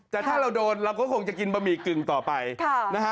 แต่ถ้าเราโดนเราก็คงจะกินบะหมี่กึ่งต่อไปนะฮะ